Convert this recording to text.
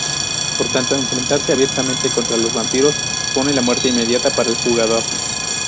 Por tanto, enfrentarse abiertamente contra los vampiros, supone la muerte inmediata para el jugador.